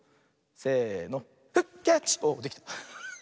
せの。